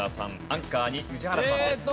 アンカーに宇治原さんです。